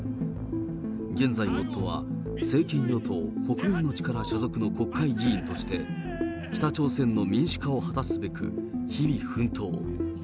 現在、夫は政権与党・国民の力所属の国会議員として、北朝鮮の民主化を果たすべく、日々奮闘。